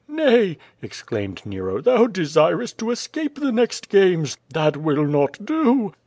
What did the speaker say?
"Nay!" exclaimed Nero, "thou desirest to escape the next games; that will not do."